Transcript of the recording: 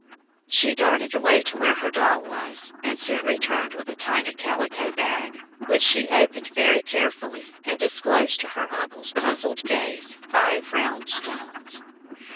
She darted away to where her doll was, and soon returned with a tiny calico bag, which she opened very carefully and disclosed to her uncle's puzzled gaze five round stones.